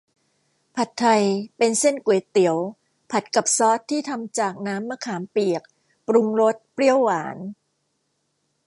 ผัดไทยเป็นเส้นก๋วยเตี๋ยวผัดกับซอสที่ทำจากน้ำมะขามเปียก ปรุงรสเปรี้ยวหวาน